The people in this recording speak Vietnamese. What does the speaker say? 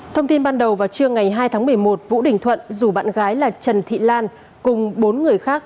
thông tin ban đầu vào trưa ngày hai tháng một mươi một vũ đình thuận dù bạn gái là trần thị lan cùng bốn người khác